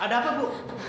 ada apa bu